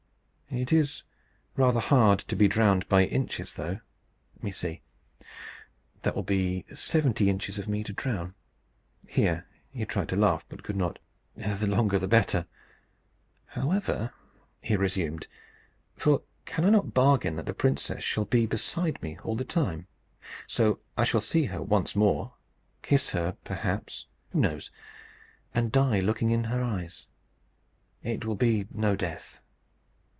It is rather hard to be drowned by inches, though. Let me see that will be seventy inches of me to drown." (Here he tried to laugh, but could not.) "The longer the better, however," he resumed, "for can I not bargain that the princess shall be beside me all the time? So I shall see her once more, kiss her, perhaps, who knows? and die looking in her eyes. It will be no death.